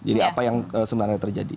jadi apa yang sebenarnya terjadi